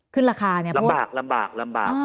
ขึ้นราคาเนี่ยพวกลำบาก